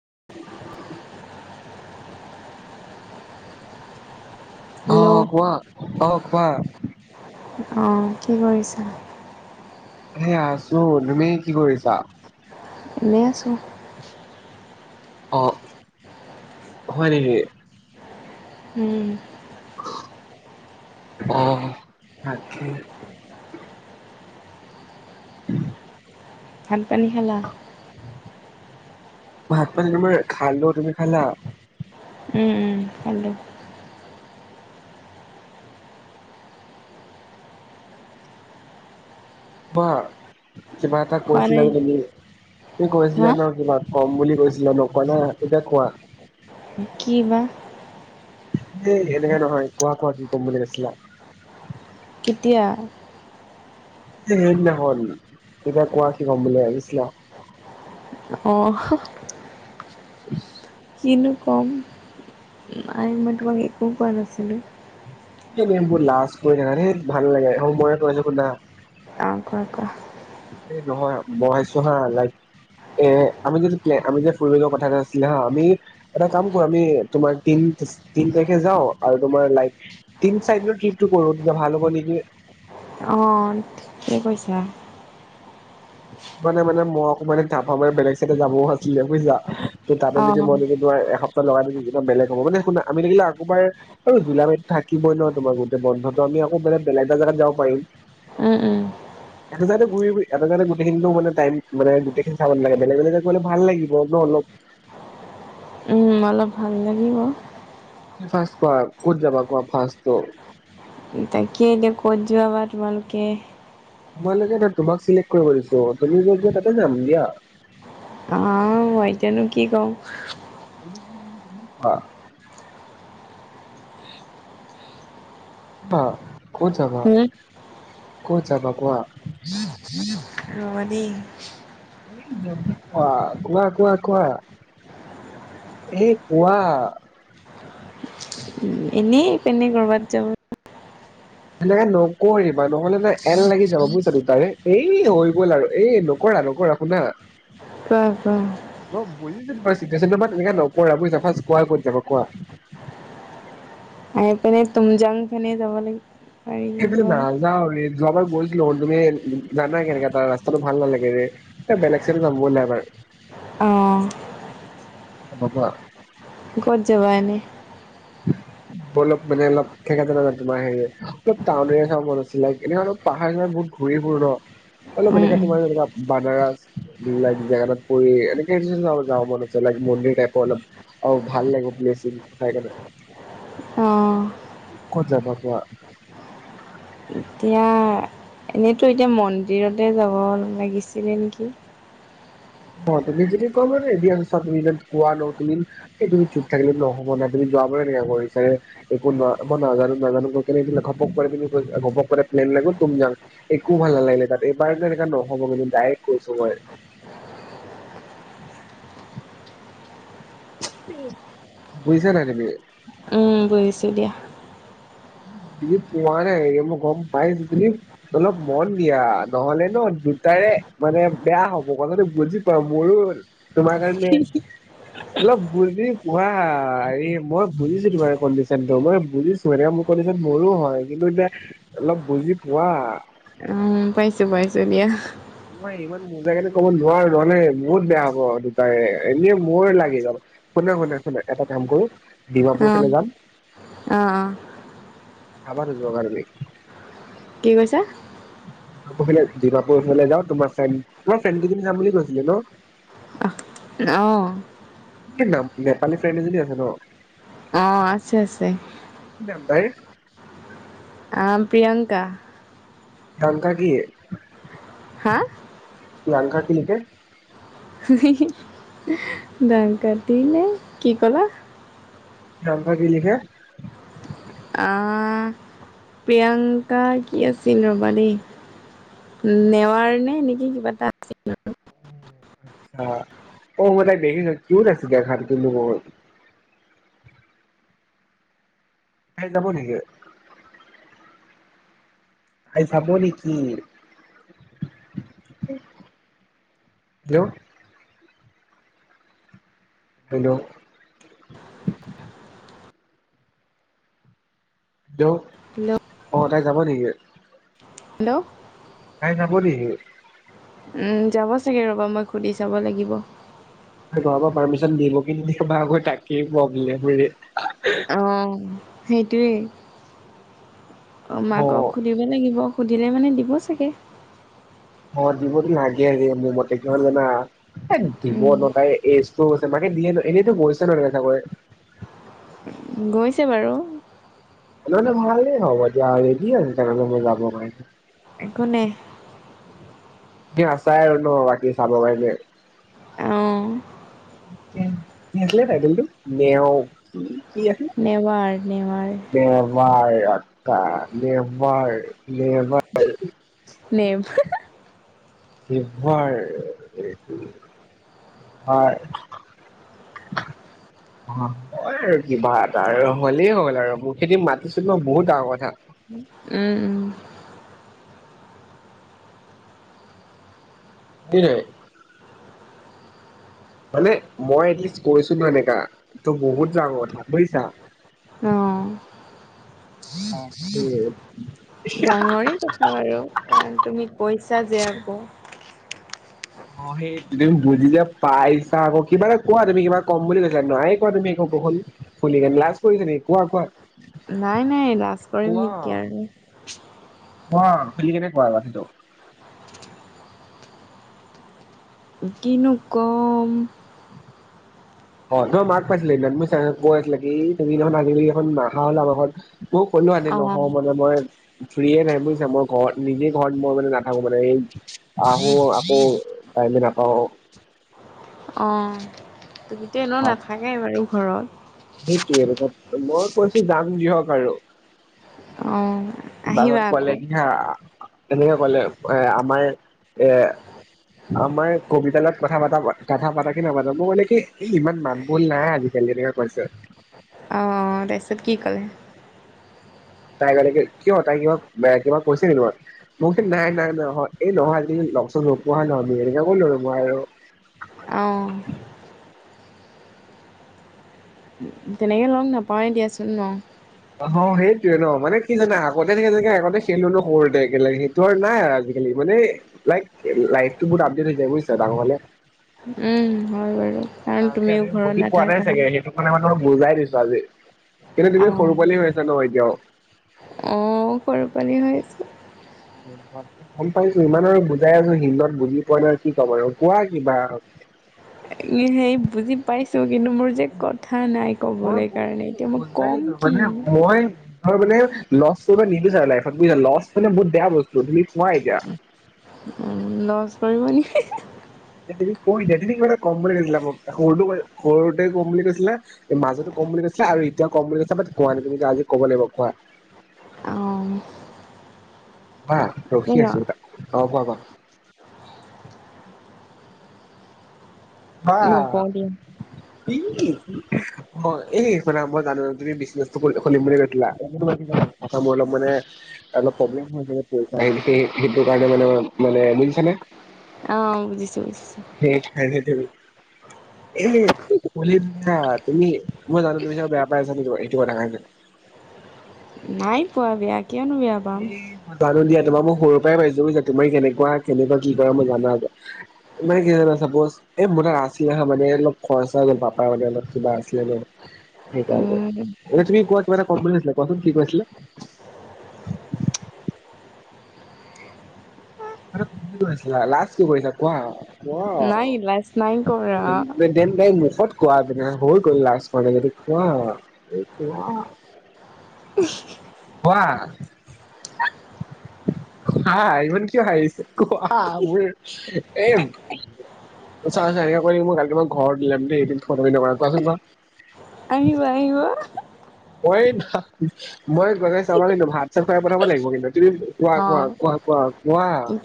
[unintelligible] Hello আহ কোৱা আহ কোৱা। অঁ কি কৰিছা? হে আছো। তুমি কি কৰিছা? এনেই আছো। অ হয় নেকি? উম। আহ তাকে। ভাত পানী খালা? ভাত পানী তোমাৰ খালো। তুমি খালা? উম উম খালোঁ। ক কিবা এটা খোৱা কৈছিলা নাই যে তুমি, তুমি হা কৈছিলা ন কিবা কম বুলি কৈছিলা নকলা এতিয়া কোৱা। কি বা? এই এনেকে নহয় কোৱা কোৱা কি ক'ম বুলি কৈছিলা কেতিয়া? সেইদিনাখন এতিয়া কোৱা কি ক'ম বুলি ভাবিছিলা। অঁ। কিনো কম আ মই তোমাক একো কোৱা নাছিলোঁ। বোৰ লাজ কৰি থাকা দেই ভাল নালাগে মইয়ে কৈ আছোঁ শুনা। অঁ কোৱা, কোৱা, এই নহয় মই ভাবিছোঁ হা লাইক। এ আমি যিটো আমি যে ফুৰিব যোৱা কথা এটা আছিলে হ আমি এটা কাম কৰো আমি তোমাৰ তিন তিন তাৰিখে যাও আৰু তোমাৰ লাইক। তিন চাৰিদিনৰ ট্ৰিপটো কৰো তেতিয়া ভাল হ'ব নেকি? অঁ ঠিকে কৈছা। মানে মানে মই অকমান মানে বেলেগ চাইডে যাবও আাছিলে বুজিছা। ত' তাতে যদি অঁ মই এনেকে তোমাৰ এসপ্তাহ লগাই দি বেলেগ হ'ব মানে শুনা আমি লাগিলে আকবাৰ আৰু জুলাই মাহটো থাকিবই ন তোমাৰ গোটে বন্ধটো আমি বেলেগ। বেলেগ এটা জাগাত যাব পাৰিম। উম উম। এটা চাইডে ঘূৰি ঘূৰি এটা চাইডে মানে টাইম মানে গোটেইখিনি চাব নালাগে বেলেগ বেলে গলে ভাল লাগিব ন অলপ [unintelligible] উম অলপ ভাল লাগিব ফাৰ্ষ্ট কোৱা কত যাবা কোৱা ফাৰ্ষ্টতো। তাকেই এতিয়া ক'ত যোৱা বা তোমালোকে তোমালোকে তোমাক চিলেক্ট কৰিব দিছো তুমি য'ত যোৱা তাতে যাম দিয়া। অ মই এতিয়ানো কি কওঁ অ অ উম কত যাবা কোৱা। ৰবা দেই জল্দি কোৱা, কোৱা, কোৱা, কোৱা। এ কোৱা। এনেই এই পিনে কৰবাত যাব সেনেকে নকৰিবা, নহ'লে ন এল লাগি যাব বুজিছা দুইটাৰে এই হৈ গ'ল আৰু এই নকৰে নকৰা নকৰা শুনা কোৱা কোৱা বুজি যে পাইছো চিটুৱেচনটো তেনেকে নকৰা বুইচা, ফাৰ্ষ্ট কোৱা ক'ত যাবা কোৱা। এ পিনে তুমজাং পিনে যাব লাগিব পাৰিল সেইফালে হয় নাযাওঁ ৰে যোৱাবাৰ গৈছিলো তুমি জানাই কেনেকা তাৰ ৰাস্তাটো ভাল নালাগে ৰে [unintelligible] এ বেলেগ চাইডে যাম ব'লা এবাৰ অ। বাবা কত যাবা এনে উ মই অলপ মানে অলপ ঠেকা তোমাৰ হেৰি অল টাউন এৰিয়া চাব মন আছিলে এনে অলপ পাহাৰ চাহ বহুত ঘূৰি ফুৰো ন অলপ উম এনেকে উম তোমাৰ যেনেকা, বনাৰস লাইক জগন্নাথ পুৰী এনেকে যাব মান আছে লাইক মন্দিৰ টাইপৰ অলপ। অ ভাল লাগিব প্লেইচখিনি চাই কিনে অঁ কত যাবা কোৱা এতিয়া এনেইতো এতিয়া মন্দিৰতে যাব লাগিছিলে নেকি। অ তুমি যদি কোৱা মইতো ৰেডি আছো চা তুমি এতিয়া কোৱা ন তুমি এই তুমি চুপ থাকিলে নহ'ব না তুমি যোৱাবাৰে এনেকা কৰিছা ৰে একো ন মই নাজানো নাজানো কৈ কিনে ঘপক কৰে তুমি ঘপক কৰে প্লেন, তুম জাং, একো ভাল নালাগিলে তাত। এইবাৰ যে এনেকা নহ'ব কিন্তু ডাইৰেক্ট কৈছো মই। বুজিছা নাই তুমি? উম বুজিছো দিয়া। উম বুজি পোৱা নাই ৰে মই গম পাইছো বুলি অলপ মন দিয়া, নহলে ন দুটাৰে মানে বেয়া হ'ব, কথাটো বুজি পোৱা মইও তোমাৰ কাৰণে অলপ বুজি পোৱা হেৰি মই বুজিছো তোমাৰ কণ্ডিচনতটো মই বুজিছো একাৰণে মোক পলিচন মোৰো হয় কিন্তু এতিয়া অলপ বুজি পোৱা উম পাইছো পাইছো দিয়া। মই ইমান বুজাইকিনে ক'ব নোৱাৰো, নহলে বহুত বেয়া হ'ব দুটাই এনেও মোৰ লাগি যাব শুনা শুনা শুনা এটা কাম কৰো ডিমাপুৰ ফালে যাম। অ অ। যাবা নোযোৱা তুমি কি কৈছা? তোমাৰ ডিমাপুৰ ফালে যাম তোমাৰ ফ্ৰেণ্ড তোমাৰ ফ্ৰেণ্ডকেইজনী যাম বুলি কৈছিলে ন? অ। নেপালী ফ্ৰেণ্ড এজনী আছে ন? অ', আছে-আছে। কি নাম তাইৰ আ, প্ৰিয়ংকা। প্ৰিয়ংকা কি, হা প্ৰিয়ংকা কি লিখে? দাম কাটিলে। কি কলা? প্ৰিয়ংকা কি লিখে? প্ৰিয়ংকা কি আছিল ৰ'বা দেই, নেৱাৰ নে নেকি কিবা এটা আছিল। অ'-অ', মই তাইক দেখিছোঁ। ক্যুত আছে দেখাত কিন্তু বহুত। াই [unintelligible] যাব নেকি? খাই চাব নেকি? হেল্ল'? হেল্ল'? হেল্ল', আছিলে অ', তাই যাব নেকি? হেল্ল'? তাই যাব নেকি? যাব চাগৈ ৰ'বা মই সুধি চাব লাগিব। তাই ঘৰৰ পৰা পাৰ্মিচন দিব কি নিদিব বা তাকেই প্ৰব্লেম। অ', সেইটোৱেই অ, মাকক সুধিব লাগিব। সুধিলে মানে দিব চাগে। অ', দিবতো লাগে হ মোৰ মতে কিয় জানা? এ দিব উম ন তাই এইজো মাকে দিয়ে ন এনেতো গৈছে ন [unintelligible] কয়? গৈছে বাৰু। [unintelligible] হ'ব দিয়া, ৰেডী আৰু তাৰমানে মই যাব কাৰনে। একো নাই। আছাই আৰু ন বাকী চাব কাৰনে। অ'। ন আছিলে ভাইটেলতটো নেও [unintelligible] কি আছিলে? নেৱাৰ নেৱাৰ নেৱাৰ। জাকা লেবাৰ-লেবাৰ। নেম [unintelligible] [inaudible] অ', হয় আৰু কিবা এটা আৰু হ'লেই হ'ল আৰু মুখে দি মাতিছো ন বহুত ডাঙৰ কথা। উম'- উম'। আনে [unintelligible] মানে মই এটলিষ্ট কৈছো ন এনেকা, ত বহুত ডাঙৰ কথা বুজিছা? অ'। অ ডাঙৰে কথা বাৰু কাৰণ তুমি কৈছা যে আকৌ। অ', সেই তুমি বুজি যে পাইছা আকৌ কিবা এটা কোৱা তুমি কিমান কম বুলি কৈছা নাই কোৱা তুমি একো। কোহলী ফে লাজ কৰিছে নেকি কোৱা-কোৱা। নাই-নাই লাজ কৰিম নেকি আৰু। কোৱা খুলি কেনে কোৱা [unintelligible] কিনো কম অ', তোমাৰ মাক পাইছিলো সেইদিনা কৈ আছিলে কি তুমি দেখোন আজি কালি নাহা হলা আমাৰ ঘৰত। মই ক'লো আন্তী অঁ নহয় মানে মই ফ্ৰী নাই বুজিচে, মই ঘৰত নিজে ঘৰত মই মানে নাথাকো মানে এই আহো আকৌ টাইমে নাপাওঁ। অ', এতিয়া এনে নাথাকে বাৰু ঘৰত। সেইটোয়ে ক মই কৈছো যাম দিয়ক আৰু। অ- বাছত কলে কি হা এনেকে ক'লে এ আমাৰ এ- আমাৰ কবিতা লগত কথা পা কথা পাতা কি নাপাতা মই মানলে কি ইমান মাত বোল নাই আজিকালি- তেনেকে কৈছে। অ তাৰ পিছত কি ক'লে- তাই কলে কি কিয় তাই কিবা কিবা কৈছে নেকি তোমাক মই কৈছোঁ নাই নাই নাই অহ এই নহয়- লগ চোন নোপোৱা হয় ন আজি কালি সেইবুলি ক'লো আৰু মই আৰু- অঁ- তেনেকৈ লগ নাপাওঁ দিয়া চোন ন- অ সেইটোয়ে ন মানে কি জানা আগতে থাকে চাগে আগতে খেলো ন সৰুতে একেলগে সেইটো আৰু নাই আৰু আজিকালি মানে। লাইফ লাইফ টো বহুত আপডেট হৈ যায় বুজিছা ডাঙৰ হলে - উম হয় বাৰু। কাৰণ তাকে তুমিও ঘৰত বুজি পোৱা নাই নাথাকা। চাগে সেইটো কাৰণে মানে বুজাই দিছো আজি- কিন্তু তুমি সৰু পোৱালি হৈ আছা ন এতিয়াও- অঁ সৰু পোৱালি হৈ আছ। গম পাইছো ইমান আৰু বুজাই আছো হিন্দত বুজি পোৱা নাই কি ক'ম আৰু কোৱা কিবা।। সেই বুজি পাইছো। কিন্তু মোৰ যে কথা নাই মই ক'বলৈ কাৰণে বুজিছো এতিয়া মই বুজাই ন কম কি। মানে মই মানে লছ কৰিব নিবিচাৰ লাইফত বুজছা লছ মানে বহুত বেয়া বস্তু তুমি কোৱা এতিয়া। লজ কৰিব নেকি। তুমি কৈ দিয়া তুমি মানে কম বুলি কৈছিলা মই সৰুটো সৰুতে কম বুলি কৈছিলা মাজতো কম বুলি কৈছিলা। আৰু এতিয়া ক'ম বুলি কৈছিলা বাত কোৱা নাই আজি ক'ব লাগিব কোৱা। অ। বা এই ৰখি ন আছো ত অ কোৱা কোৱা বা। বা নকওঁ দিয়া। পি। অ এই শুনা মই জানো তুমি বিশনিজ টো কৰি লব দিম বুলি কৈছিলা। মোৰ অলপ মানে অলপ প্ৰব্লেম পইচা সেই সেইটো কাৰণে মানে মানে। বুজিছানে। অ বুজিছো বুজছো। সেই খনেটো। এ কলা তুমি মই জানো তুমি যে বেয়া পাই আছা এইটো কথাকে।। [unintelligible] নাই পোৱা বেয়া। কিয়নো বেয়া পাম? এ মই জানো দিয়া। তোমাৰ মোক সৰুৰ পাইছো বুজিছা তুমি কেনেকুৱা কেনেকোৱা কৰা মই জনা যায়। মানে কি জানা চাপোজ এই মোৰ তাত আছিলে হা মানে অলপ খৰচা পাপা মানে অলপ কিবা আছিলে ন। সেইট উম, এ তুমি কিবা কম কৈছিলা কোৱা চোন কি কৈছিলা। কৈছিলা লাষ্ট কি কৈছিলা কোৱা। অ নাই লাজ নাই কৰা। দেন গাই মোৰ। কত কোৱা পিনে হৈ গল লাষ্ট ম যদি কোৱা এই কোৱা। কোৱা। হা ইমান কিয় আহিছে মোৰ এম। চ চ কৰি মই কালমাক ঘৰতিল দে ফ দ কোৱাচোন ক। আহিব আহিব। মই মই গলে চাবা কিন্তু ভাত চাত খুৱাই পঠাব লাগিব কিন্তু। কোৱা কোৱা অ'। কোৱা কোৱা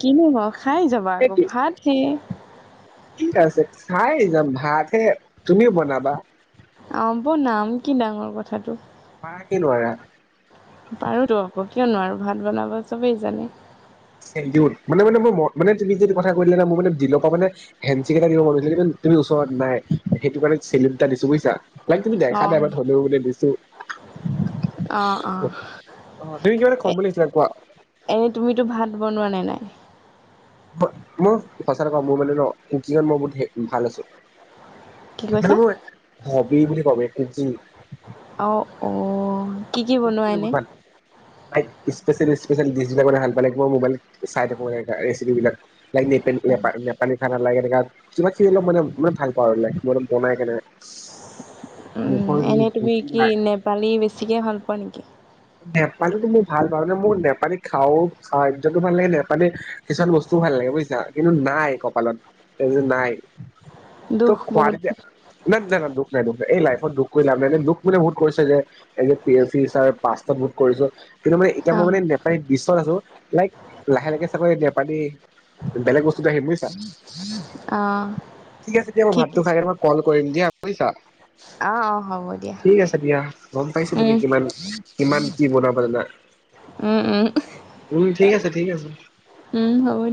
কিনো ক খাই যাবা আকৌ ভাত হে কি আছে খাই যাম ভাত হে তুমিও বনাবা। অ বনাম কি ডাঙৰ কথাটো। পাৰা কি নোৱাৰা। পাৰোতো আকৌ কিয় নোৱাৰোঁ ভাত বনাব চবেই জানে। থেংকিউ মানে মানে মোৰ মানে তুমি যদি কৈদিয়া মানে দিলৰ পৰা মানে হেনঞ্চি ক এটা দিব মনগৈছে। ওচৰত নাই সেইটো কাৰণে চেলুউট এটা দিছো বুজইছা লাগিলে তুমি দেখা অ', নাই হ'লেও মানে দিছো। অ', অ', অ তুমি কিবা কম বুলি কৈছিলা কোৱা। এনেই তুমিতো ভাত বনোৱা নাই ন। মই সঁচা কথা কও মোৰ মানে ন কুকিঙত মই বহুত ভাল আছো। কি মানে কৈছা মই হবি বুলি কবি [unintelligible] যি। অ অ কি কি বনোৱা এনে। লাইক স্পেচিয়েল স্পেচিয়েল ডিচ বিলাকে ভাল পালে মই মোৱাইলত চাই থাকো ৰেচিপ বিলাক [unintelligible] নেপালী নেপালী খানা লাগে এনেকা যিমানখিনি মানে মানে ভাল পাওঁ আৰু ল মই বনাই পিনে। [unintelligible] এনেই তুমি কি নেপালী বেছিকে ভাল পোৱা নেকি। নেপালীতো মোৰ ভাল পাওঁ নে মোৰ নেপালী খাও খাদ্য ভাল লাগে নেপালী কিছুমান বস্তুও ভাল লাগে। বুজিছা কিন্তু নাই কপালত এই যে নাই। ত দুখ বহুত খুৱাৰিতে না নাই নাই দুখ নাই দুখ নাই। এই লাইফত দুখ কৰি লাভ নাই ন দুখ মানে বহুত কৰিছে যে as a P S sir [unintelligible] কিন্তু মানে এতিয়া মই মানে অ', [unintelligible] লাইক লাহে লাহে চাগৈ জাপানী বেলেগ বস্তুটো আহিম বুজিছা অ', ঠিক আছে দিয়া মই ঠিক ভাতটো খাই মই কল কৰিম দিয়া বুজিছা অ', অ', হ'ব দিয়া ঠিক আছে দিয়া গম পাইছো তুমি উম কিমান কিমান কি বনাব জানা। উম উম। উম ঠিক আছে ঠিক আছে। উম হ'ব দিয়া।